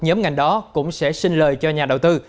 nhóm ngành đó cũng sẽ xin lời cho nhóm này